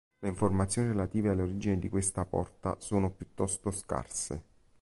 Le informazioni relative alle origini di questa porta sono piuttosto scarse.